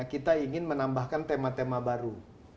kita ingin menambahkan tema tema baru